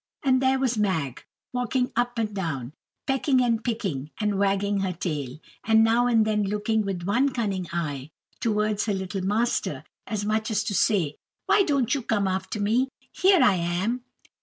And there was Mag, walking up and down, pecking and picking, and wagging her tail; and now and then looking with one cunning eye towards her little master, as much as to say, "Why don't you come after me? Here I am."